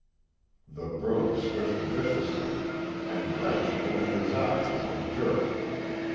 The broom swished viciously and Brent opened his eyes with a jerk.